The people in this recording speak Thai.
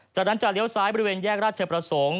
จากนั้นจะเลี้ยวซ้ายบริเวณแยกราชประสงค์